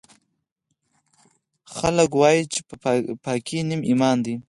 خلکوایي چې پاکۍ نیم ایمان ده